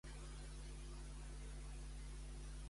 De quines obres de Pàusies va parlar Pausanias?